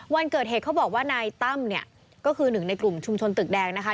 วันเกิดเหตุเขาบอกว่านายตั้มเนี่ยก็คือหนึ่งในกลุ่มชุมชนตึกแดงนะคะ